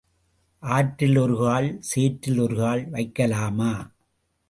ஆற்றில் ஒரு கால், சேற்றில் ஒரு கால் வைக்கலாமா?